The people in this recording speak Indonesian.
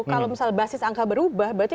kalau misal basis angka berubah berarti